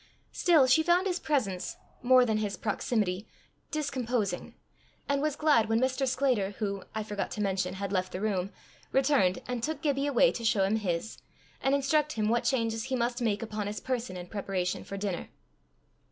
Still she found his presence more than his proximity discomposing, and was glad when Mr. Sclater, who, I forgot to mention, had left the room, returned and took Gibbie away to show him his, and instruct him what changes he must make upon his person in preparation for dinner.